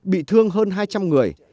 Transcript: bị thương hơn hai trăm linh người